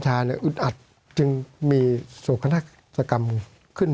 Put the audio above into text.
สวัสดีครับทุกคน